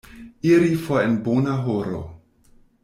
Iri for en bona horo.